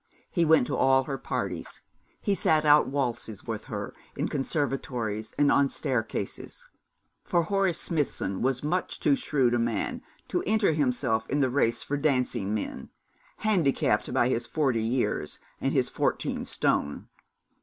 He went to all her parties; he sat out waltzes with her, in conservatories, and on staircases; for Horace Smithson was much too shrewd a man to enter himself in the race for dancing men, handicapped by his forty years and his fourteen stone.